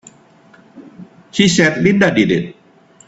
She said Linda did it!